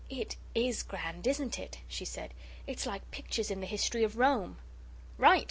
"It IS grand, isn't it?" she said. "It's like pictures in the History of Rome." "Right!"